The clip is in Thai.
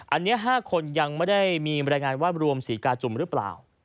อันนี้๕คนยังไม่ได้มีบรรยายงานว่ารวมศรีกาจุ่มหรือเปล่า